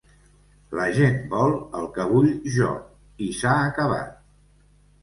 La gent vol el que vull jo, i s'ha acabat.